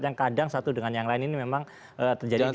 yang kadang satu dengan yang lain ini memang terjadi